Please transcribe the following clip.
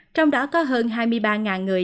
trong đó có hơn hai mươi ba người